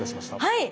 はい。